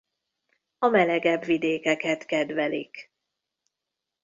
A melegebb vidékeket kedvelik.